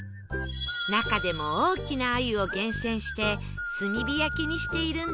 中でも大きな鮎を厳選して炭火焼きにしているんだそう